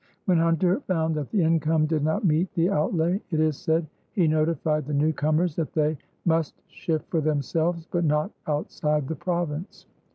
When Hunter found that the income did not meet the outlay, it is said, he notified the newcomers that they "must shift for themselves but not outside the province."